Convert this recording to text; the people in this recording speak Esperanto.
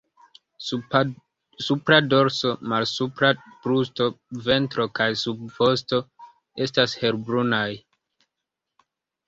Supra dorso, malsupra brusto, ventro kaj subvosto estas helbrunaj.